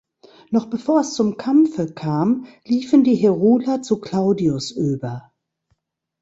Noch bevor es zum Kampfe kam, liefen die Heruler zu Claudius über.